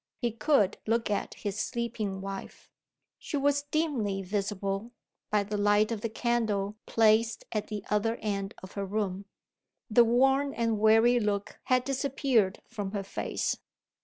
He could look at his sleeping wife. She was dimly visible, by the light of the candle placed at the other end of her room. The worn and weary look had disappeared from her face.